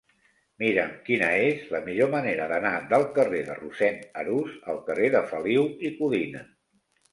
Mira'm quina és la millor manera d'anar del carrer de Rossend Arús al carrer de Feliu i Codina.